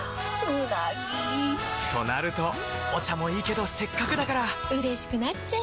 うなぎ！となるとお茶もいいけどせっかくだからうれしくなっちゃいますか！